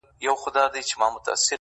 له ناکامه د قسمت په انتظار سو،